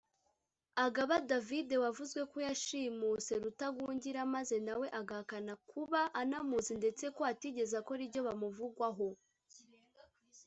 Agaba David (wavuzwe ko yashimuse Rutagungira) maze nawe agahakana kuba anamuzi ndetse ko atigeze akora ibyo bimuvugwaho